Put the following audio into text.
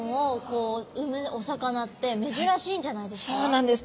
そうなんです。